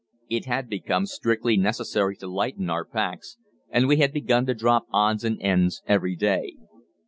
It had become strictly necessary to lighten our packs, and we had begun to drop odds and ends every day.